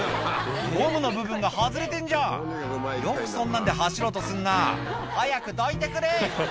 ゴムの部分が外れてんじゃんよくそんなんで走ろうとすんな早くどいてくれ！